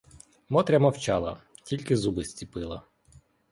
Мотря мовчала, тільки зуби зціпила.